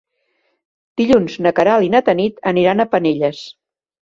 Dilluns na Queralt i na Tanit aniran a Penelles.